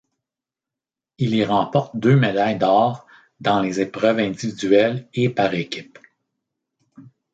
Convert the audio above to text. Il y remporte deux médailles d'or dans les épreuves individuelles et par équipes.